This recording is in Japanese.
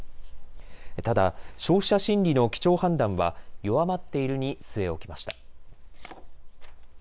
ただ消費者心理の基調判断は弱まっているに据え置きました。